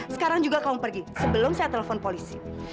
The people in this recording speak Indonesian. sekarang juga kaum pergi sebelum saya telepon polisi